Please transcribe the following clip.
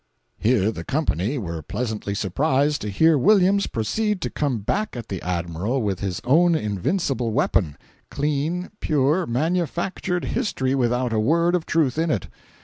[Here the company were pleasantly surprised to hear Williams proceed to come back at the Admiral with his own invincible weapon—clean, pure, manufactured history, without a word of truth in it.